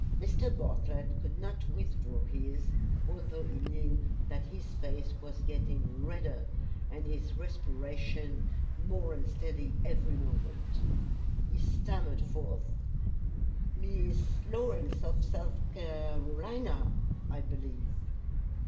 Mr. Bartlett could not withdraw his, although he knew that his face was getting redder and his respiration more unsteady every moment. He stammered forth: "Miss Lawrence, of South Carolina, I believe."